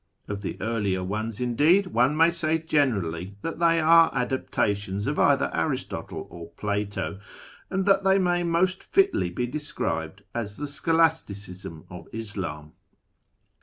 Of the earlier ones, indeed, one may say generally that they are adaptations of either Aristotle or Plato, and that they may most fitly be described as the scholasticism of Islam.